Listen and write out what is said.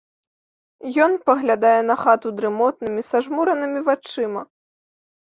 Ён паглядае на хату дрымотнымі сажмуранымі вачыма.